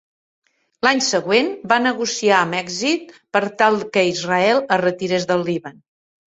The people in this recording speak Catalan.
L"any següent va negociar amb èxit per tal que Israel es retirés del Líban.